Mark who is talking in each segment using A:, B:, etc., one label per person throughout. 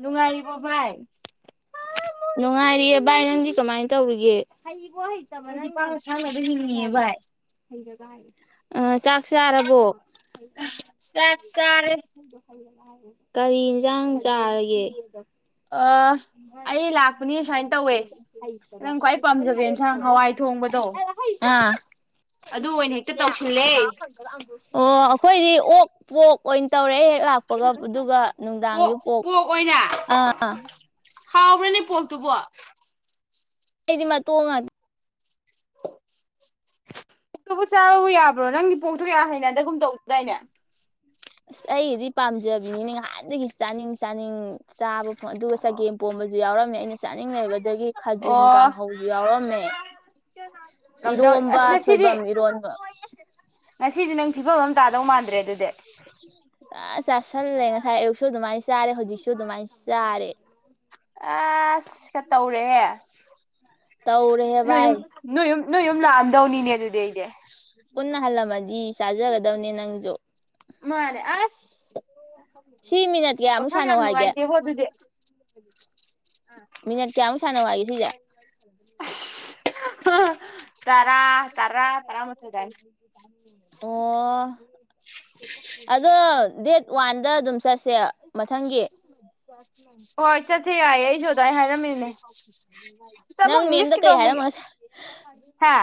A: ꯅꯨꯡꯉꯥꯏꯔꯤꯕꯣ ꯚꯥꯏ
B: ꯅꯨꯡꯉꯥꯏꯔꯤꯦ ꯚꯥꯏ ꯅꯪꯗꯤ ꯀꯃꯥꯏꯅ ꯇꯧꯔꯤꯒꯦ ꯍꯣ ꯍꯩꯇꯕ
A: ꯑꯩꯗꯤ
B: ꯅꯪꯅ
A: ꯄꯥꯡꯅ ꯁꯥꯡꯅꯕ
B: ꯍꯛꯇ ꯊꯤꯒ
A: ꯍꯤꯡꯉꯤꯌꯦ
B: ꯍꯥꯏꯕ
A: ꯚꯥꯏ
B: ꯍꯩꯔꯒ ꯍꯥꯏ ꯑ ꯆꯥꯛ ꯆꯥꯔꯕꯣ ꯍ
A: ꯆꯥꯛ ꯆꯥꯔꯦ
B: ꯍꯥꯏꯜ ꯀꯔꯤ ꯌꯦꯟꯁꯥꯡ ꯆꯥꯔꯒꯦ
A: ꯑ ꯑꯩ ꯂ
B: ꯑ ꯑꯣ ꯑꯩꯈꯣꯏꯗꯤ
A: ꯄꯥꯝꯖꯕ ꯌꯦꯟꯁꯥꯡ ꯍꯋꯥꯏ ꯊꯣꯡꯕꯗꯣ ꯑꯗꯨ ꯑꯣꯏꯅ ꯍꯦꯛꯇ ꯇꯧꯁꯤꯜꯂꯦ
B: ꯑꯣꯛ ꯣꯛ ꯑꯣꯏꯅ ꯇꯧꯔꯦ ꯂꯥꯛꯄꯒ ꯑꯗꯨꯒ ꯅꯨꯡꯗꯥꯡꯁꯨ ꯄꯣꯛ ꯑꯥ
A: ꯍꯥꯎꯕ꯭ꯔꯅꯦ ꯄꯣꯣꯛꯇꯕꯣ
B: ꯑꯩꯗꯤ ꯃꯥ ꯇꯣꯡꯉꯗ
A: ꯄꯣꯛꯇꯨꯕꯨ ꯆꯥꯔ ꯌꯥꯕ꯭ꯔꯣ ꯅꯪꯗꯤ ꯄꯣꯛꯇꯨ ꯀꯌꯥ ꯍꯅꯗꯒꯨꯝ ꯇꯧꯗꯨꯗꯥꯏꯅꯦ
B: ꯑꯁ ꯑꯩꯗꯤ ꯄꯥꯝꯖꯕꯅꯤꯅꯦ ꯉꯥꯏꯍꯥꯟꯗꯒꯤ ꯆꯥꯅꯤꯡ ꯆꯥꯅꯤꯡ ꯆꯥꯕ ꯑꯣ ꯑꯗꯨꯒ ꯆꯒꯦꯝ ꯄꯣꯝꯕꯁꯨ ꯌꯥꯎ ꯑꯩꯅ ꯆꯥꯅꯤꯡꯉꯦꯕ ꯑꯗꯒꯤ ꯈꯥꯖꯤꯡ
A: ꯑꯣ
B: ꯀꯥꯡꯍꯧ ꯌꯥꯎꯔꯝꯃꯦ ꯑ
A: ꯀꯝꯗꯧ
B: ꯏꯔꯣꯝꯕ
A: ꯑꯁ ꯉꯁꯤꯗꯤ
B: ꯁꯣꯏꯕꯝ ꯏꯔꯣꯟꯕ
A: ꯉꯁꯤꯗꯤ ꯅꯪ ꯐꯤꯕꯝ ꯑꯃ ꯇꯥꯗꯧ ꯃꯥꯟꯗ꯭ꯔꯦ ꯑꯗꯨꯗꯤ
B: ꯑ ꯆꯁꯟ ꯂꯩꯅ ꯈꯥꯏ ꯁ ꯑꯗꯨꯃꯥꯏꯅ ꯆꯥꯔꯦ ꯍꯧꯖꯤꯛꯁꯨ ꯑꯗꯨꯃꯥꯏꯅ ꯆꯥꯔꯦ
A: ꯑꯁ ꯀ ꯇꯧꯔꯦꯍꯦ
B: ꯇꯧꯔꯦꯍꯦ
A: ꯅ
B: ꯚꯥꯏ
A: ꯅ ꯅ ꯌꯅ ꯑꯗꯅꯤꯅꯦ ꯑꯗꯨꯗꯦꯗ
B: ꯆꯥꯖꯒ ꯑꯗꯨꯗꯕꯅꯤ ꯅꯪꯖꯣ
A: ꯃꯥꯅꯦꯦ ꯑꯁ
B: ꯁꯅꯤ ꯁꯤ ꯃꯤꯅꯠ ꯀꯌꯥ ꯑꯃꯨꯛ
A: ꯋꯥꯈꯜ ꯌꯥꯝ
B: ꯁꯥꯟꯅꯧ ꯍꯥꯏꯒꯦ
A: ꯅꯨꯡꯉꯥꯏꯇꯦꯕꯣ ꯑꯗꯨꯗꯤ
B: ꯃꯤꯅꯠ ꯀꯌꯥꯃꯨꯛ ꯁꯥꯟꯅ ꯋꯥꯒꯦ ꯁꯤꯁꯦ
A: ꯇꯔꯥ ꯇꯔꯥ ꯇꯔꯥ ꯃꯊ ꯌꯥꯏ
B: ꯑꯣ ꯑꯗꯣ ꯗꯦꯠ ꯋꯥꯟꯗ ꯑꯗꯨꯝ ꯆꯠꯁꯦ ꯃꯊꯪꯒꯤ
A: ꯍꯣꯏ ꯆꯠꯁꯦ ꯌꯥꯏꯌꯦ ꯑꯩꯁꯨ ꯑꯗꯨꯃꯥꯏꯅ ꯍꯥꯏꯔꯝꯃꯤꯅꯦ ꯁꯤꯗ
B: ꯅꯪ
A: ꯑꯃꯨꯛ
B: ꯃꯦꯝꯗ
A: ꯏꯪꯂꯤꯁꯀꯤꯗꯣ
B: ꯀꯩ
A: ꯑꯃꯨꯛ
B: ꯍꯥꯏꯔꯝꯃꯁꯦ
A: ꯍꯥ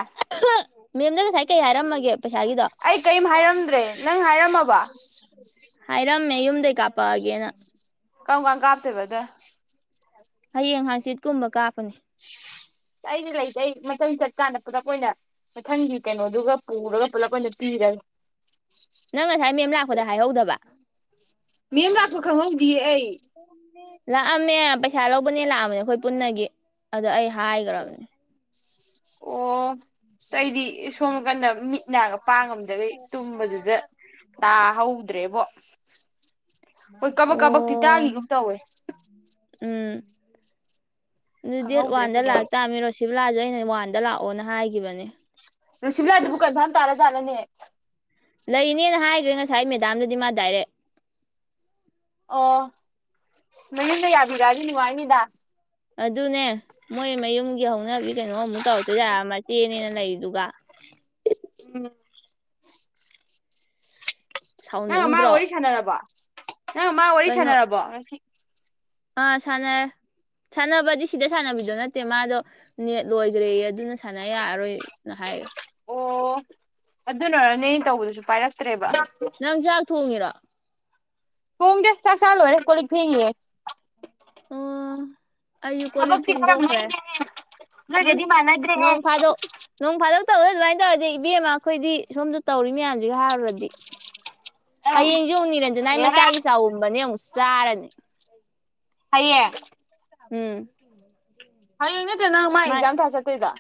B: ꯃꯦꯝꯗꯅ ꯉꯥꯏꯀꯩ ꯌꯥꯔꯝꯃꯒꯦꯕ
A: ꯑꯩ ꯀꯔꯤꯝ ꯍꯥꯏꯔꯝꯗ꯭ꯔꯦ ꯅꯪ ꯍꯥꯏꯔꯝꯃꯕ
B: ꯍꯥꯏꯔꯝꯃꯦ ꯌꯨꯝꯗꯩ ꯀꯥꯄꯛꯑꯒꯦꯅ
A: ꯀꯪ ꯀꯥꯡ ꯀꯥꯞꯇꯦꯕꯗ
B: ꯍꯌꯦꯡ ꯍꯥꯡꯆꯤꯠꯀꯨꯝꯕ ꯀꯥꯞꯄꯅꯦ
A: ꯑꯩꯁꯦ ꯂꯩꯁꯦ ꯑꯩ ꯃꯊꯪ ꯆꯠꯀꯥꯟꯗ ꯄꯨꯂꯞ ꯑꯣꯏꯅ ꯃꯊꯪꯒꯤ ꯀꯩꯅꯣꯗꯨꯒ ꯄꯨꯔꯒ ꯄꯨꯂꯞ ꯑꯣꯏꯅ ꯄꯤꯔꯒꯦ
B: ꯅꯪ ꯉꯁꯥꯏ ꯃꯦꯝ ꯂꯥꯛꯄꯗ ꯍꯥꯏꯍꯧꯗꯕ
A: ꯃꯦꯝ ꯂꯥꯛꯄ ꯈꯪꯍꯟꯕꯤꯌꯦ ꯑꯩ
B: ꯑꯃꯦ ꯂꯥꯛꯑꯝꯃꯦ ꯄꯩꯁꯥ ꯂꯧꯕꯅꯦ ꯂꯥꯛꯑꯅꯦ ꯑꯩꯈꯣꯏ ꯄꯨꯟꯅꯒꯤ ꯑꯗꯣ ꯑꯩ ꯊꯒꯔꯝꯅꯤ
A: ꯑꯣ ꯑꯩꯗꯤ ꯁꯣ ꯀ ꯃꯤꯠꯅ ꯄꯥꯡꯉꯝꯗꯕꯤ ꯇꯨꯝꯕꯗꯨꯗ ꯥ ꯍꯧꯗ꯭ꯔꯦꯕꯣ
B: ꯑꯣ
A: ꯇꯥꯒꯤꯒꯨꯝ ꯇꯧꯋꯦ
B: ꯎꯝ ꯑꯗꯨ ꯗꯦꯠ
A: ꯈꯪꯍꯧꯗ꯭ꯔꯦ
B: ꯋꯥꯟꯗ
A: ꯐꯖꯅ
B: ꯂꯥꯛꯇꯥꯥꯃꯤꯔꯣ ꯁꯤꯕ ꯂꯥꯑꯁꯨ ꯑꯩꯅ ꯋꯥꯟꯗ ꯂꯥꯛꯑꯣꯅ ꯍꯥꯏꯈꯤꯕꯅꯦ
A: ꯂꯨꯁꯤꯕꯂꯥ ꯑꯗꯨꯕꯨ ꯀꯖꯥꯝ ꯇꯥꯔꯖꯥꯠꯂꯅꯦ
B: ꯂ ꯏ ꯅꯅ ꯍꯥꯏꯈ꯭ꯔꯦ ꯉꯁꯥꯏ ꯃꯦꯗꯥꯝꯗꯗꯤ ꯃ ꯗꯗꯥꯏꯔꯦ
A: ꯑꯣ ꯃꯌꯨꯝꯗ ꯌꯥꯕꯤꯔꯛꯑꯗꯤ ꯅꯨꯡꯉꯥꯏꯅꯤꯗ
B: ꯑꯗꯨꯅꯦ ꯃꯣꯏ ꯃꯌꯨꯝꯒꯤ ꯍꯧꯅꯕꯤ ꯀꯩꯅꯣꯃꯨꯛ ꯇꯧꯔꯛꯇꯣꯏ ꯌꯥꯔꯛꯑ ꯃꯆꯦꯅꯦꯅ ꯂꯩꯗꯨꯒ
A: ꯎꯝ ꯅꯪ ꯃꯥꯥ
B: ꯁꯥꯎꯅꯤꯡꯗ꯭ꯔꯣ
A: ꯑꯣꯏꯔꯤ ꯁꯥꯟꯅ ꯅꯕ [unintelligible] ꯅ ꯃꯥꯥ
B: ꯀꯩꯅꯣ
A: ꯑꯣꯏꯔꯤꯁꯅꯔꯔꯕ
B: ꯑꯥ ꯁꯥꯟꯅꯔꯦ ꯁꯥꯟꯅꯕꯗꯤ ꯁꯤꯗ ꯁꯥꯟꯅꯕꯤꯗꯣ ꯅꯠꯇꯦ ꯃꯥꯗꯣ ꯅꯦꯠ ꯂꯣꯏꯗ꯭ꯔꯦ ꯑꯗꯨꯅ ꯁꯥꯟꯅ ꯌꯥꯔꯔꯣꯏꯅ ꯍꯥꯏ
A: ꯑꯣ ꯑꯗꯨꯅꯔꯅꯦ ꯇꯧꯕꯗꯨꯁꯨ ꯄꯥꯏꯔꯛꯇ꯭ꯔꯦꯕ
B: ꯅꯪ ꯆꯥꯛ ꯊꯣꯡꯉꯤꯔꯣ
A: ꯇꯨꯡꯒꯦ ꯆ ꯆꯂꯣꯔꯦ ꯀꯣꯂꯤ ꯐꯦꯡꯦ
B: ꯑꯣ ꯑꯩꯁꯨ ꯀꯣꯜ ꯂꯤꯛ
A: ꯈꯔ
B: ꯐꯦꯡꯗꯣꯛꯈ꯭ꯔꯦ
A: ꯅꯩꯔꯦꯍꯦ
B: ꯎꯝ
A: ꯅꯣꯏꯒꯗꯤ ꯃꯥꯟꯅꯗ꯭ꯔꯦꯍꯦ
B: ꯅꯣꯡ ꯐꯥꯗꯣꯛ ꯅꯣꯡ ꯐꯥꯗꯣꯛ ꯇꯧ ꯑꯗꯨꯃꯥꯏꯅ ꯇꯧꯔꯗꯤ ꯏꯕꯦꯝꯃ ꯑꯩꯈꯣꯏꯗꯤ ꯁꯣꯝꯗ ꯇꯧꯔꯤ ꯃꯌꯥꯝꯁꯤ ꯍꯥꯏꯔꯨꯔꯗꯤ ꯍꯌꯦꯡ ꯌꯡꯨꯅꯤꯔꯦꯟꯗꯨꯅ ꯑꯩ
A: ꯍꯦꯔꯥ
B: ꯃꯆꯥꯒꯤ ꯆꯥꯎꯎꯕꯅꯦ ꯑꯃꯨꯛꯁ ꯆꯥꯔꯅꯤ
A: ꯍꯥꯏꯌꯦ
B: ꯎꯝ
A: ꯍꯥꯏꯌꯦꯡꯅꯦ ꯅꯪ ꯃꯥ
B: ꯃꯥꯏ
A: ꯑꯦꯛꯖꯥꯝ ꯊꯥ ꯆꯠꯇꯣꯏꯗꯣ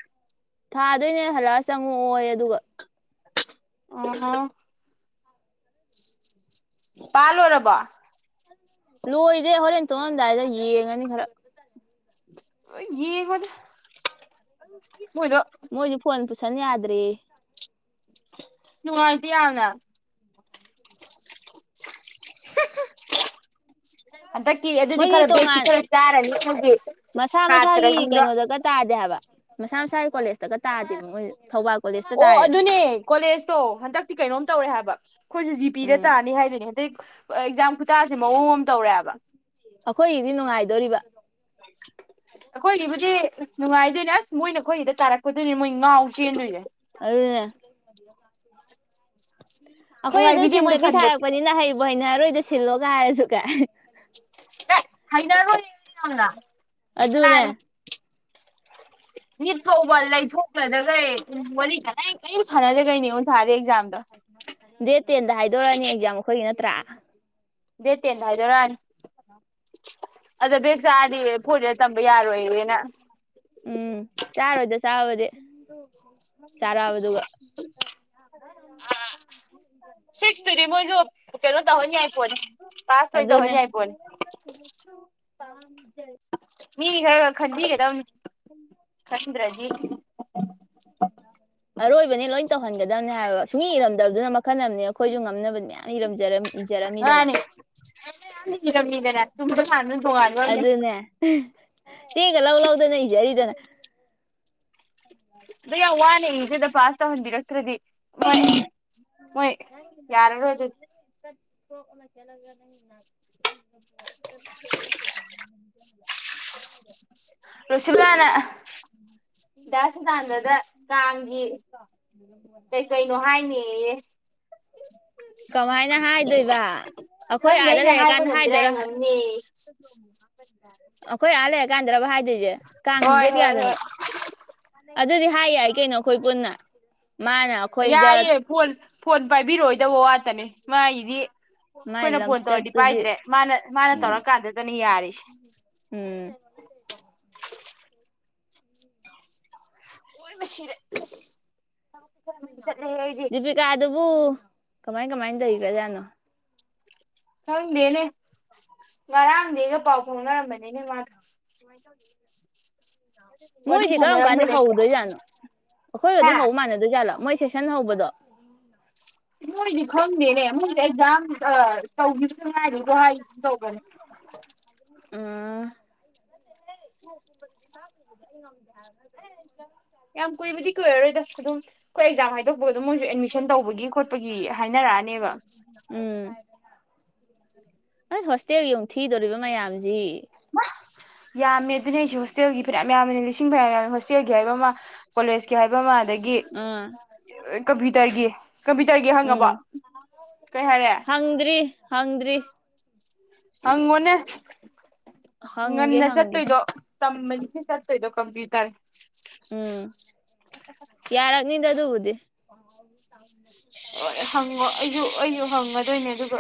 B: ꯊꯥꯗꯣꯏꯅꯦ ꯍꯜꯂꯛꯑ ꯑꯣ ꯍꯣ ꯏ ꯑꯗꯨꯒ
A: ꯑꯣꯣ ꯄꯥ ꯂꯣꯏꯔꯕꯣ
B: ꯂꯣꯏꯗꯦ ꯍꯣꯔꯦꯟ ꯇꯣꯛꯉꯝꯗꯥꯏꯗ ꯌꯦꯡꯉꯅꯤ ꯈꯔ
A: ꯌꯦꯉꯣꯏꯗ ꯍꯗꯣ
B: ꯁꯅꯤ꯭ꯔꯤ
A: ꯅꯨꯡꯉꯥꯏꯇ ꯌꯥꯝꯅ ꯍꯟꯗꯛꯀꯤ ꯑꯗꯨꯗꯤ
B: ꯃꯣꯏꯗꯤ
A: ꯈꯔ ꯕꯦꯛꯇꯤ
B: ꯇꯣꯉꯥꯟ
A: ꯈꯔ ꯆꯥꯔꯅꯤ ꯍꯧꯖꯤꯛ
B: ꯃꯁꯥ ꯃꯁꯥꯒꯤ
A: ꯁꯥꯇ꯭ꯔꯁꯤꯡꯗꯣ
B: ꯀꯩꯅꯣꯗꯒ ꯇꯥꯗꯦ ꯍꯥꯏꯕ ꯃꯁꯥ ꯃꯁꯥꯒꯤ ꯀꯣꯂꯦꯖꯇꯒ ꯇꯥꯗꯦꯕ ꯃꯣꯏ ꯊꯧꯕꯥꯜ ꯀꯣꯂꯦꯖꯇ
A: ꯑꯣ
B: ꯇꯥꯏꯌꯦ
A: ꯑꯗꯨꯅꯦ ꯀꯣꯂꯦꯖꯇꯣ ꯍꯟꯗꯛꯇꯤ ꯀꯩꯅꯣꯝ ꯇꯧꯔꯦ ꯍꯥꯏꯕ ꯑꯩꯈꯣꯏꯁꯨꯦ ꯖꯤꯄꯤꯤꯗ
B: ꯎꯝ
A: ꯇꯥꯅꯤ ꯍꯥꯏꯗꯣꯏꯅꯦ ꯑꯗꯩ ꯑꯦꯛꯖꯥꯝ ꯈꯨꯇꯥꯥꯁꯦ ꯃꯑꯣꯡ ꯑꯃ ꯇꯧꯔꯛꯑꯦꯕ
B: ꯑꯩꯈꯣꯏꯒꯤꯗꯤ ꯅꯨꯡꯉꯥꯏꯗꯣꯔꯤꯕ
A: ꯑꯩꯈꯣꯏꯒꯤꯕꯨꯗꯤ ꯅꯨꯡꯉꯥꯏꯗꯣꯏꯅꯦ ꯑꯁ ꯃꯣꯏꯅꯈꯣꯏꯒꯤꯗ ꯇꯥꯔꯛꯄꯗꯣꯏꯅꯦ ꯃꯣꯏ ꯉꯥꯎ ꯆꯦꯟꯗꯣꯏꯁꯦ
B: ꯑꯗꯨ ꯑꯩꯈꯣꯏ ꯑꯗꯨꯝ
A: ꯅꯨꯡꯉꯥꯏꯕꯤꯗꯦ ꯃꯣꯏ
B: ꯁꯤꯟꯗꯕꯤ
A: ꯈꯟꯕꯗ
B: ꯊꯥꯔꯛꯄꯅꯤꯅ ꯍꯩꯕꯨ ꯍꯩꯅꯔꯣꯏ ꯁꯤꯜꯂꯒ ꯍꯥꯏꯁꯨ ꯀꯥꯏ
A: ꯅ ꯍꯥꯏꯅꯔꯣꯏ ꯍꯗ
B: ꯑꯗꯨ ꯑꯗꯨꯅꯦ
A: ꯅꯤꯠ ꯐꯥꯎꯕ ꯂꯩꯊꯣꯛꯈ꯭ꯔꯗꯒꯩ ꯋꯥꯔꯤ ꯑꯩꯝ ꯐꯅꯗꯒꯩꯅꯤꯉꯣꯟ ꯊꯥꯔꯗꯦ ꯑꯦꯛꯖꯥꯝ
B: ꯗꯦꯠ ꯇꯦꯟꯗ ꯍꯥꯏꯗꯣꯔꯛꯑꯅꯤ ꯑꯦꯛꯖꯥꯝ ꯑꯩꯈꯣꯏꯒꯤꯅ ꯇ꯭ꯔꯥ
A: ꯗꯦꯇꯦꯅ ꯍꯥꯏꯗ ꯑꯗ ꯕꯦꯛ ꯆꯥꯔꯗꯤ ꯐꯣꯔꯁꯤꯗ ꯇꯝꯕ ꯌꯥꯔꯣꯏꯅꯦꯅ
B: ꯎ ꯆꯔꯥꯕꯗꯨꯒ
A: ꯁꯤꯛꯁꯇꯨꯗꯤ ꯃꯣꯏꯁꯨ ꯀꯩꯅꯣ ꯇꯧꯍꯟ ꯌꯥꯏꯄꯣꯠꯅꯤ ꯄꯥꯁ ꯂꯣꯏ ꯇꯧꯍꯟ
B: ꯑꯗꯨꯗꯅꯦ
A: ꯌꯥꯏꯄꯣꯠꯅꯤ
B: ꯑꯖ
A: ꯃꯤ ꯍ ꯈꯟꯗꯤꯒꯦꯗ ꯍꯟꯗ꯭ꯔ
B: ꯇꯧꯗꯨꯅ ꯃꯈꯜ ꯑꯃꯅꯤꯅꯦ ꯑꯩꯈꯣꯏꯁꯨ ꯉꯝꯅꯕꯅꯦꯅ ꯏꯔꯝꯖꯔꯝꯃꯤ ꯏꯖꯔꯝꯃꯤꯗꯅ
A: ꯃꯥꯅꯤ ꯏꯔꯝꯃꯤꯗꯅ ꯆꯨꯝꯕ ꯂꯥꯟꯕ ꯇꯣꯉꯥꯟꯕ ꯑꯃꯅꯦ
B: ꯑꯗꯨꯅꯦ ꯆꯦꯡꯒ ꯂꯧ ꯂꯧꯗꯅ ꯏꯖꯔꯤꯗꯅ
A: ꯑꯗ ꯌꯥꯝ ꯋꯥꯅꯦꯁꯤꯦꯗ ꯄꯥꯁꯇ ꯍꯟꯗꯤꯔꯛꯇ꯭ꯔꯗꯤ ꯃꯣꯏ ꯌꯥꯔꯔ ꯑꯣꯏꯗꯗꯤ
B: ꯣ ꯆꯂꯒ ꯅꯪꯦ
A: ꯔꯣꯁꯤꯕꯂꯥꯅ ꯗꯥꯁꯤꯇꯥꯟꯗꯗ ꯀꯥꯡꯒꯤ ꯀꯩ ꯀꯩꯅꯣ
B: [inaudible]
A: ꯍꯥꯏꯅꯦꯌꯦ
B: ꯀꯃꯥꯏꯅ ꯍꯥꯏꯗꯣꯏꯕ ꯑꯩꯈꯣꯏ
A: ꯈꯪꯗꯦ
B: ꯑꯥꯗ
A: ꯑꯩꯅ ꯍꯥꯏꯕ
B: ꯂꯩꯔꯀꯥꯟꯗ
A: ꯉꯝꯗ꯭ꯔꯦ
B: ꯍꯥꯏꯗꯣꯏꯔꯥ ꯑ
A: ꯉꯝꯅꯦꯌꯦ
B: ꯑꯩꯈꯣꯏ ꯑꯂꯦ ꯀꯥꯟꯗ꯭ꯔꯥꯕ ꯍꯥꯏꯗꯤ ꯦ
A: ꯍꯣꯏ
B: ꯀꯗꯦꯗꯤ
A: ꯍꯣꯏ
B: ꯌꯥꯗꯅꯣ
A: ꯍꯣꯏ
B: ꯑꯗꯨꯗꯤ ꯍꯥꯏ ꯌꯥꯏ ꯀꯩꯅꯣ ꯑꯩꯈꯣꯏ ꯄꯨꯟꯅ ꯃꯥꯅ ꯑꯩꯈꯣꯏꯗ
A: ꯌꯥꯏꯌꯦ ꯐꯣꯜ ꯐꯣꯟ ꯄꯥꯏꯕꯤꯔꯛꯑꯣꯏꯗꯕ ꯋꯥꯇꯅꯦ ꯃꯥꯒꯤꯗꯤ
B: ꯃꯥꯏ
A: ꯑꯩꯈꯣꯏꯅ ꯐꯣꯟ ꯇꯧꯔꯗꯤ
B: ꯂꯝꯆꯠꯇꯨꯗꯤ
A: ꯄꯥꯏꯗ꯭ꯔꯦ ꯃꯥꯅ ꯃꯥꯅ
B: ꯎꯝ
A: ꯇꯧꯔꯀꯥꯟꯗꯨꯗꯅꯦ ꯌꯥꯔꯤꯁꯦ
B: ꯎꯝ
A: ꯑꯣꯏꯃꯥ ꯁꯤꯔꯦ ꯊꯕꯛꯁꯦ ꯈꯔ ꯃꯩ ꯆꯠꯂꯦꯍꯦ ꯑꯩꯗꯤ
B: ꯗꯄꯤꯀꯥ ꯗꯨꯕꯨ ꯀꯃꯥꯏ ꯀꯃꯥꯏꯅ ꯂꯩꯒꯔꯥꯖꯥꯠꯅꯣ
A: ꯈꯪꯗꯦꯅꯦ ꯉꯔꯥꯡꯗꯤ ꯑꯩꯒ ꯄꯥꯎ ꯐꯥꯎꯅꯔꯝꯕꯅꯤꯅꯦ ꯃꯥꯒ
B: [unintelligible]
A: ꯋꯥꯔꯤ
B: ꯃꯣꯏꯗꯤ ꯀꯔꯝ ꯀꯥꯟꯗꯤ
A: ꯁꯥꯟꯅꯔꯝꯕꯅꯦ
B: ꯍꯧꯗꯣꯏꯖꯥꯠꯅꯣ ꯑꯩꯈꯣꯏꯒ
A: ꯍꯥ
B: ꯑꯗꯨꯝ ꯍꯧꯕ ꯃꯥꯟꯅꯗꯣꯏꯖꯥꯠꯂꯣ ꯃꯣꯏ ꯁꯦꯁꯟ ꯍꯧꯕꯗꯣ
A: ꯃꯣꯏꯗꯤ ꯈꯪꯗꯦꯅꯦ ꯃꯣꯏ ꯑꯦꯛꯖꯥꯝ ꯑ ꯇꯧꯒꯤ ꯉꯥꯏꯔꯤꯀꯣ ꯍꯥꯏꯒꯨꯝ ꯇꯧꯕꯅꯦ
B: ꯎꯝ
A: ꯌꯥꯝ ꯀꯨꯏꯕꯗꯤ ꯀꯨꯏꯔꯔꯣꯏꯗ ꯑꯗꯨꯝ ꯈꯣꯏ ꯑꯦꯛꯖꯥꯝ ꯍꯥꯏꯗꯣꯛ
B: ꯎꯝ
A: ꯍꯥꯏꯅꯔꯛꯑꯅꯦꯕ
B: ꯑꯁ ꯍꯣꯁꯇꯦꯜꯒꯤ ꯑꯃꯨꯛ ꯊꯤꯗꯣꯔꯤꯕ ꯃꯌꯥꯝꯁꯤ
A: ꯌꯥꯝꯃꯦ ꯑꯗꯨꯅꯦ ꯑꯩꯁꯨꯦ ꯍꯣꯁꯇꯦꯜꯒꯤ ꯐꯤꯔꯌꯥꯝ ꯌꯥꯝꯕꯅꯤ ꯂꯤꯁꯤꯡ ꯐꯔ ꯌꯥꯝ ꯍꯣꯁꯇꯦꯜꯒꯤ ꯍꯥꯏꯕ ꯑꯃ ꯀꯣꯂꯦꯖꯀꯤ ꯍꯥꯏꯕ ꯍꯥꯏꯕꯥꯃ ꯑꯗꯒꯤ
B: ꯑꯥ
A: ꯀꯝꯄ꯭ꯌꯨꯇꯔꯒꯤ ꯀꯝꯄ꯭ꯌꯨꯇꯔꯒꯤ ꯍꯪꯉꯕꯣ
B: ꯎꯝ
A: ꯀꯩ ꯍꯥꯏꯔꯦ
B: ꯍꯪꯗ꯭ꯔꯤ ꯍꯪꯗ꯭ꯔꯤ
A: ꯍꯪꯉꯣꯅꯦ
B: ꯍꯪꯒꯦ
A: ꯉꯟꯅ
B: ꯍꯪꯒꯦ
A: ꯆꯠꯇꯣꯏꯗꯣ ꯇꯝꯕꯗꯤ ꯁꯨꯡꯆꯠ ꯆꯠꯇꯣꯏꯗꯣ ꯀꯝꯄ꯭ꯌꯇꯔ
B: ꯎꯝ ꯌꯥꯔꯒꯅꯤꯗꯣ ꯑꯗꯨ ꯍꯒꯗꯤꯦ
A: ꯍ ꯍꯪꯉꯣ ꯑꯌꯨ ꯑꯌꯨꯛ ꯍꯪꯉꯗꯣꯏꯅꯦ ꯑꯗꯨꯒ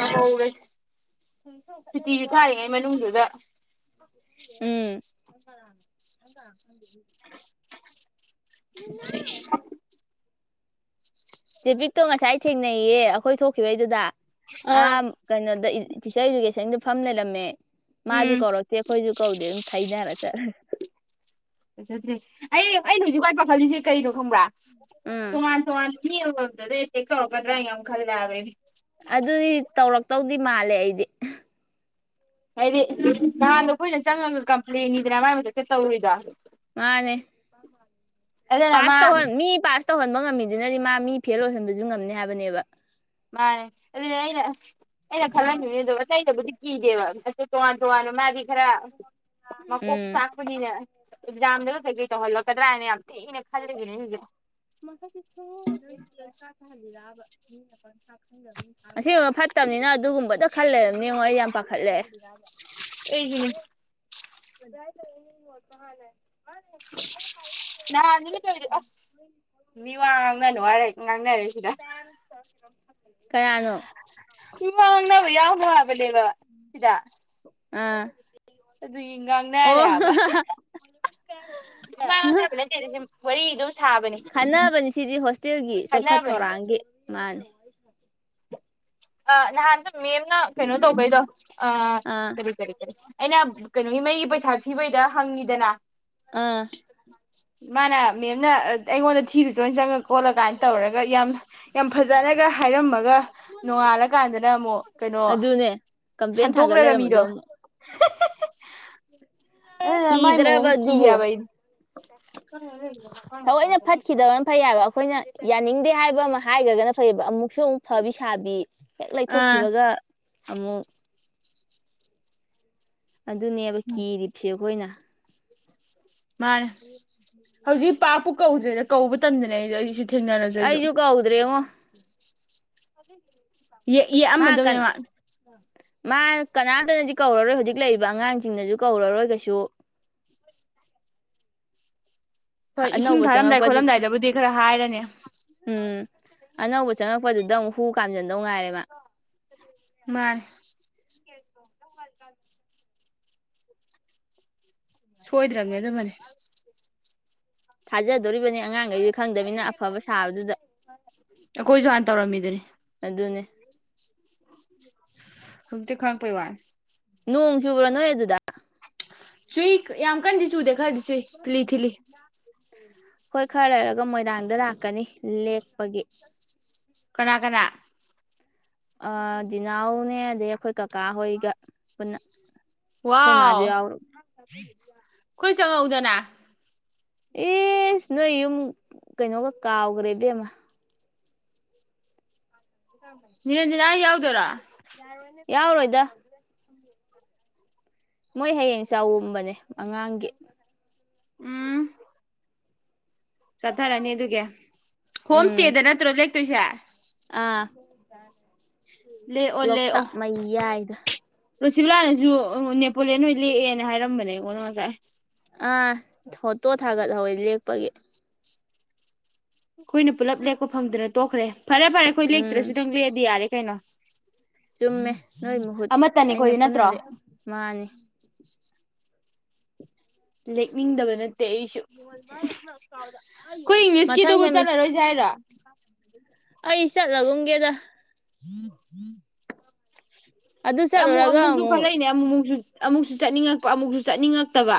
A: ꯑ ꯍꯒ
B: ꯎꯝ
A: ꯃꯅꯨꯡꯗꯨꯗ
B: ꯍ ꯍ
A: [unintelligible] ꯑ
B: ꯇ꯭ꯔꯦꯐꯤꯛꯇꯣ ꯉꯁꯥꯏ ꯊꯦꯡꯅꯩꯌꯦ ꯑꯩꯈꯣꯏ ꯊꯣꯛꯈꯤꯕꯩꯗꯨꯗ ꯑ
A: ꯑꯥ
B: ꯀꯩꯅꯗꯒꯦꯁ ꯐꯝꯅꯔꯃꯦ
A: ꯎꯝ
B: ꯃꯥꯁꯨꯨ ꯀꯧꯣ ꯊꯈꯣꯏꯁꯨ ꯀꯧꯗꯦ ꯈꯥꯏꯅꯔꯦ ꯆꯠ
A: ꯐꯖꯗ꯭ꯔꯦ ꯑꯩ ꯑꯩꯅ ꯍꯧꯖꯤꯛ ꯋꯥꯏ ꯄꯥꯈꯠꯜꯂꯤꯁꯦ ꯀꯔꯤꯩꯅꯣ ꯈꯪꯕ꯭ꯔꯥ
B: ꯎꯝ
A: ꯊꯉ ꯊꯋꯥ ꯍꯝꯗꯗꯦꯀꯒꯗ꯭ꯔ ꯌꯥꯝ ꯈꯜ ꯌꯥꯕꯦ
B: ꯑꯗꯨꯗ ꯇꯧ ꯇꯧꯗꯤ ꯃꯥꯜꯂꯦ ꯑꯩꯗꯤ
A: ꯍꯥꯏꯗꯤ ꯅꯍꯥꯟꯗꯣ ꯑꯩꯈꯣꯏꯅ ꯆꯪꯉꯒ ꯀꯝꯄ꯭ꯂꯦꯟꯅꯤꯗꯅ ꯃꯥꯏ ꯃꯊꯛꯇ ꯇꯧꯔꯨꯏꯗꯣ
B: ꯃꯥꯅꯦ
A: ꯑꯗꯨꯅ ꯃꯥ
B: ꯄꯥꯁ ꯇ ꯍ ꯃꯤ ꯄꯥꯁ ꯇꯧꯍꯟꯕ ꯉꯝꯃꯤꯗꯨꯅꯗꯤ ꯃꯥ ꯃꯤ ꯐꯦꯜ ꯑꯣꯏꯍꯟꯕꯁꯨ ꯉꯝꯅꯤ ꯍꯥꯏꯕꯅꯦꯕ
A: ꯃꯥꯅꯦ ꯑꯗꯨꯩꯅ ꯑꯩꯅ ꯈꯜꯥꯏꯗꯕꯨ ꯀꯅꯦꯦꯕꯁꯦ ꯇꯣꯉꯟ ꯇꯣꯋꯥꯅ ꯃꯗꯤ ꯈꯔ ꯃ ꯀ
B: ꯎꯝ
A: ꯆꯀꯅꯤꯅ ꯑꯦꯖꯥꯝꯗ ꯂ ꯍꯜꯂꯛꯀꯗ꯭ꯔꯥꯅꯦ ꯌꯥꯝ ꯏꯅꯦ ꯈꯜꯜꯂꯤ
B: ꯃꯈ ꯃꯤ ꯑꯁꯤꯒꯨꯝꯕ ꯐꯠꯇꯕꯅꯤꯅ ꯑꯗꯨꯒꯨꯝꯕꯗ ꯈꯜꯂꯕ ꯌꯦꯡꯉꯣ ꯑꯩ ꯌꯥꯝ ꯄꯥꯈꯠꯂꯛꯑꯦ
A: ꯑꯩꯁꯨꯅꯦ
B: ꯍꯅꯦ ꯃꯥꯅꯦ
A: ꯅꯂꯗꯤ ꯑꯁ ꯃꯤ ꯋꯥ ꯉꯥꯡꯅꯅꯨ ꯋꯥꯔ ꯉꯥꯡꯅꯔꯦꯁꯤꯗ
B: ꯀꯌꯥꯅꯣ
A: ꯎ ꯋꯥ ꯌꯥꯎ ꯃꯥꯕ ꯂꯩꯕ ꯏꯗ
B: ꯑꯥ
A: ꯑꯗꯨ
B: ꯑꯣ
A: ꯉꯥꯡꯅꯔꯦꯕ ꯑꯗꯨ ꯉꯥꯡꯅꯕ ꯅꯠꯇꯦ ꯑꯗꯨꯗꯤ ꯋꯥꯔꯤ ꯑꯗꯨꯝ ꯁꯥꯕꯅꯤ
B: ꯈꯟꯅꯕꯅꯤ ꯁꯤꯗꯤ ꯍꯣꯁꯇꯦꯜꯒꯤ ꯆꯥꯎꯈꯠ
A: ꯈꯅꯕꯅꯦ
B: ꯊꯧꯔꯥꯡꯒꯤ ꯃꯥꯅꯦ
A: ꯑ ꯅꯗ ꯃꯦꯦꯝꯅ ꯀꯩꯅꯣ ꯇꯧꯕꯩꯗꯣ ꯑ
B: ꯑꯥ
A: ꯀꯔꯤ ꯀꯔꯤ ꯀꯔꯤ ꯑꯩꯅ ꯅꯒꯤ ꯃꯩꯒꯤ ꯄꯩꯁꯥ ꯊꯤꯕꯩꯗ ꯍꯪꯉꯤꯗꯅ
B: ꯑꯥ
A: ꯃꯥꯅ ꯃꯦꯝꯅ ꯑꯩꯉꯣꯟꯗ ꯊꯤꯔꯨꯁꯤ ꯆꯖꯣꯏ ꯆꯪꯉ ꯈꯣꯠꯂ ꯀꯥꯏꯅ ꯇꯧꯔꯒ ꯌꯥꯝ ꯌꯥꯝ ꯐꯖꯅꯒ ꯍꯥꯏꯔꯝꯃꯒ ꯅꯣꯡꯉꯥꯜꯂꯀꯥꯟꯗꯅ ꯑꯃꯨꯛ ꯀꯩꯅꯣ
B: ꯑꯗꯨꯅꯦ ꯀꯝꯄ꯭ꯂꯦꯟ ꯊꯥꯡꯒꯠ
A: ꯁꯟꯇꯣꯛꯂꯔ
B: ꯂꯩꯔꯝꯕꯗꯣ
A: ꯃꯤꯗꯣ
B: ꯑꯃꯨꯛ
A: ꯑ ꯃꯥꯏ ꯃꯑꯣꯡ
B: ꯀꯤꯗ꯭ꯔꯕ
A: ꯀꯤ
B: ꯑꯗꯨꯕꯨ
A: ꯍꯥꯏꯕ ꯑꯩꯗꯤ
B: ꯊꯑꯣꯏꯩꯅ ꯐꯠꯈꯤꯗꯕꯅ ꯐꯩ ꯍꯥꯏꯕ ꯑꯩꯈꯣꯏꯅ ꯌꯥꯅꯤꯡꯗꯦ ꯍꯥꯏꯕ ꯑꯃ ꯍꯥꯏꯈ꯭ꯔꯒꯅ ꯐꯩꯌꯦꯕ ꯑꯃꯨꯛ ꯐꯁ ꯑꯃꯨꯛ ꯐꯕꯤ ꯁꯥꯕꯤ ꯍꯦꯛ
A: ꯑꯥ
B: ꯂꯩꯊꯣꯛꯈꯤꯕꯒ ꯑꯃꯃꯨꯛ ꯑꯗꯨꯅꯦꯕ ꯀꯤꯗꯤꯁꯤꯦ ꯍꯅ
A: ꯃꯥ ꯍꯧꯖꯤꯛ ꯄꯥꯛꯄꯨ ꯀꯧꯗ꯭ꯔꯦꯗ ꯀꯧꯕ ꯇꯝꯗꯅ ꯑꯩꯗꯣ ꯑꯩꯁꯤ
B: ꯑ ꯌꯨꯒ ꯍꯥꯎꯗ꯭ꯔꯦ ꯑꯣ ꯎꯝ
A: ꯌꯦꯛꯑꯃꯗꯧꯅꯦ ꯃꯥ
B: ꯃꯥ ꯀꯅꯥꯝꯇꯅꯗꯤ ꯀꯧꯔꯔꯣꯏ ꯍꯧꯖꯤꯛ ꯂꯩꯔꯤꯕ ꯑꯉꯥꯡꯁꯤꯡꯅꯁꯨ ꯀꯧꯔꯔꯣꯏ ꯀꯩꯁꯨ
A: ꯍꯣꯏ ꯏꯁꯤꯡ
B: ꯑꯅꯧꯕ
A: ꯊꯥꯔꯝꯗꯥꯏ
B: ꯆꯪꯉꯛꯄꯗꯨ
A: ꯈꯣꯠꯂꯝꯗꯥꯏꯗꯕꯨꯗꯤ ꯈꯔ ꯍꯥꯏꯔꯅꯦ
B: ꯎꯝ ꯑꯅꯧꯕ ꯆꯪꯉꯛꯄꯗꯨꯗ ꯑꯃꯨꯛ ꯍꯨ ꯀꯥꯝꯁꯤꯟꯗꯧ ꯉꯥꯏꯔꯦꯕ
A: ꯃꯥ ꯁꯣꯏꯗ꯭ꯔꯕꯅꯦ ꯑꯗꯨꯃꯅꯤ
B: ꯊꯥꯖꯗꯣꯔꯤꯕꯅꯤ ꯑꯉꯥꯡꯈꯩꯗꯤ ꯈꯪꯗꯃꯤꯅ ꯑꯐꯕ ꯁꯥꯕꯗꯨꯗ
A: ꯑꯩꯈꯣꯏꯁꯨ ꯍꯥꯟꯅ ꯇꯧꯔꯝꯃꯤꯗꯨꯅꯤ
B: ꯑꯗꯨꯅꯦ
A: ꯁꯛꯇ ꯈꯔꯛꯄꯩ ꯋꯥ
B: ꯅꯣꯡ ꯆꯨꯒ꯭ꯔꯅꯣ ꯌꯦꯗꯗ
A: ꯆꯨꯏ ꯌꯥꯝ ꯀꯥꯟꯗꯤ ꯆꯨꯗꯦ ꯈꯔ ꯄ
B: ꯍꯣꯏ ꯈꯔ ꯂꯩꯔꯒ ꯃꯣꯏꯗꯥꯥꯡꯗ ꯂꯥꯛꯀꯅꯤ ꯂꯦꯛꯞꯄꯒꯤ
A: ꯀꯅꯥ ꯀꯅꯥ
B: ꯑ ꯅꯥꯎꯅꯦ ꯑꯗꯩ ꯑꯩꯈꯣꯏ ꯀꯀꯥ ꯍꯣꯏꯒ ꯄꯨꯟꯅ
A: ꯋꯥ
B: ꯑꯩꯈꯣꯏ ꯃꯥꯁꯨ ꯌꯥꯎꯔ
A: ꯀꯣꯏ ꯆꯪꯉꯧꯗꯅ
B: ꯑꯦꯁ ꯅꯣꯏ ꯌꯨꯝ ꯀꯩꯅꯣꯒ ꯀꯥꯎꯈ꯭ꯔꯦ ꯏꯕꯦꯝꯃ
A: ꯅꯤꯔꯟꯖꯅ ꯍꯥꯏ ꯌꯥꯎ ꯀꯨꯗꯔꯥ
B: ꯌꯥꯔꯣꯣꯏꯗ ꯃꯣꯏ ꯍꯌꯦꯡ ꯆꯥꯎꯎꯝꯕꯅꯦ ꯑꯉꯥꯡꯒꯤ
A: ꯆꯊꯥꯔꯅꯤ ꯑꯗꯨꯒ ꯍꯣꯝ
B: ꯎꯝ
A: ꯁꯇꯦꯗꯅ ꯅꯠꯇ꯭ꯔ ꯂ ꯁ
B: ꯑ
A: ꯂꯦꯛꯑꯣ
B: ꯂꯇ ꯃꯌꯥ ꯍꯥꯏꯗ
A: ꯔꯣꯁꯤꯕꯂꯥꯅꯦꯁꯨ ꯄꯨꯣꯠꯂꯦ ꯅꯣꯏ ꯂꯦꯛꯑꯦꯅ ꯍꯥꯏꯔꯝꯕꯅꯦ ꯀꯣ ꯉꯁꯥꯏ ꯎ
B: ꯑꯥ ꯐꯣꯇꯣ ꯊꯥꯒꯠꯍꯧꯋꯦ ꯂꯦꯛꯄꯒꯤ
A: ꯑꯩꯈꯣꯏꯅ ꯄꯨꯂꯞ ꯂꯦꯛꯄ ꯐꯪꯗꯅ ꯇꯣꯛꯈ꯭ꯔꯦ ꯐꯔꯦ ꯐꯔꯦ ꯑꯩꯈꯣꯏ
B: ꯎꯝ
A: ꯂꯦꯛꯇ꯭ꯔꯁꯨ ꯅꯪ ꯂꯦꯛꯑꯗꯤ ꯌꯥꯔꯦ ꯀꯅ
B: ꯆꯨꯝꯃꯦ ꯅꯣꯏ ꯃꯍꯨꯠ ꯑꯩꯅ
A: ꯅꯠꯇ꯭ꯔꯣ
B: ꯄꯨꯟꯅꯗꯤ ꯃꯥꯅꯤ
A: ꯂꯦꯛꯅꯤꯡꯗꯕꯅ ꯠꯇꯦ ꯑꯩꯁꯨ ꯑꯩꯈꯣꯏ
B: ꯃꯊꯪ
A: ꯏꯪꯂꯤꯁꯀꯤꯗꯨꯕꯨ
B: ꯁꯦꯃꯤꯁ
A: ꯆꯠꯂꯔꯣꯏꯁꯦ ꯍꯥꯏꯔꯥ
B: ꯑꯩ ꯆꯠꯂꯒꯨꯝꯒꯦꯗ ꯑꯗꯨ
A: ꯑꯃꯨꯛ
B: ꯆꯠꯂꯨꯔꯒ
A: ꯑꯃꯨꯛꯁꯨ
B: ꯑꯃꯨꯛ
A: ꯈꯔ ꯂꯩꯅꯦ ꯑꯃꯨꯛꯃꯨꯛꯁꯨ ꯑꯃꯨꯛꯁꯨ ꯆꯠꯅꯤꯡꯉꯛꯄ ꯑꯃꯨꯛꯁꯨ ꯆꯠꯅꯤꯡꯉꯛꯇꯕ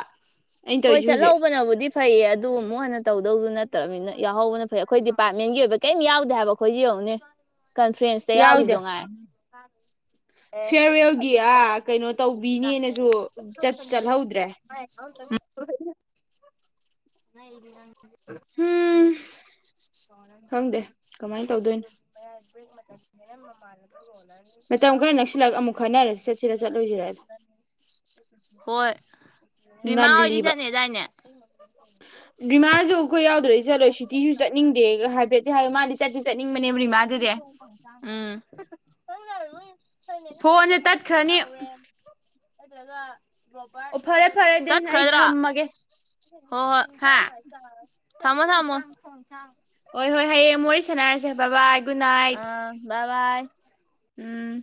A: ꯑꯩꯅ
B: ꯍꯣꯏ
A: ꯇꯧꯔꯤꯁꯦ
B: ꯆꯂ
A: ꯍꯧꯖꯤꯛ
B: ꯍꯧꯕꯕ ꯅꯕꯗꯤꯞ ꯐꯩꯌꯦ ꯑꯗꯨ ꯑꯃꯨꯛ ꯍꯟꯅ ꯇꯧꯗꯧꯗꯨ ꯅꯠꯇ꯭ꯔꯅꯤꯅ ꯌꯥꯎꯍꯧꯕꯅ ꯐꯩ ꯑꯩꯈꯣꯏ ꯗꯤꯄꯥꯔꯠꯃꯦꯟꯒꯤ ꯑꯣꯏꯕ ꯀꯩꯝ ꯌꯥꯎꯗꯦ ꯍꯥꯏꯕ ꯑꯩꯈꯣꯏꯁꯤ ꯌꯦꯡꯉꯨꯅꯦ ꯀꯟꯐ꯭ꯔꯦꯟꯁꯇ
A: ꯌꯥꯎꯗꯦ
B: ꯌꯥꯎꯁꯨꯗꯣꯉꯥꯏ
A: ꯐꯤꯌꯔꯋꯦꯜꯒꯤ ꯑꯥ ꯀꯩꯅꯣ ꯇꯧꯕꯤꯅꯦꯅꯁꯨ ꯆꯠ
B: [unintelligible]
A: ꯆꯠꯍꯧꯗ꯭ꯔꯦ
B: [unintelligible]
A: ꯎꯝ
B: ꯆꯥꯎ ꯅꯃꯅꯕꯨꯣ
A: ꯃꯇꯝ ꯈꯔ ꯅꯛꯁꯤꯜꯂꯒ ꯑꯃꯨꯛ ꯈꯟꯅꯔꯁꯤ ꯆꯠꯁꯤꯔ ꯆꯠꯂꯣꯏꯁꯤꯔ
B: ꯍꯣꯏ ꯔꯤꯃꯥ ꯍꯣꯏꯗꯤ
A: ꯉꯜꯂꯤꯕ
B: ꯆꯠꯅꯤꯗꯥꯏꯅꯦ
A: ꯔꯤꯃꯥꯁꯨ ꯑꯩꯈꯣꯏ ꯌꯥꯎꯗ꯭ꯔꯩ ꯆꯠꯂꯣꯏ ꯁꯤꯇꯤꯁꯨ ꯆꯠꯅꯤꯡꯗꯦ ꯍꯥꯏꯐꯦꯠꯇꯤ ꯍꯥꯏ ꯃꯥꯗꯤ ꯆꯠꯇ ꯆꯠꯅꯤꯡꯕꯅꯦꯕ ꯔꯤꯃꯥꯗꯨꯗꯤ
B: ꯎꯝ [unintelligible]
A: ꯍꯣꯟꯁꯦ ꯇꯠ ꯈ꯭ꯔꯅꯤ
B: ꯅꯠꯇ꯭ꯔꯒ ꯔꯣꯕꯔꯠ ꯅꯠꯇ꯭ꯔꯒ ꯀꯩꯅꯣꯝ
A: ꯑꯗꯨꯗꯤ
B: ꯆꯠꯈ꯭ꯔ
A: ꯑꯩ
B: [unintelligible] ꯔꯣ
A: ꯊꯝꯃꯒꯦ
B: ꯍꯣꯍꯣꯏ
A: ꯍꯥ
B: ꯊꯝꯃꯣ ꯊꯝꯃꯣ [unintelligible]
A: ꯍꯣꯏ ꯍꯣꯏ ꯍꯌꯦꯡ ꯃꯣꯏꯁ ꯁꯦꯟꯅꯔꯁꯦ ꯕꯥ ꯕꯥꯏ ꯒꯨꯗꯅꯠꯏ꯫
B: ꯑꯥ ꯕꯥꯏ ꯕꯥꯏ
A: ꯎꯝ